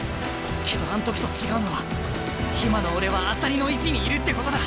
けどあん時と違うのは今の俺は朝利の位置にいるってことだ。